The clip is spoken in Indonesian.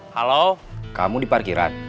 halo kamu di parkiran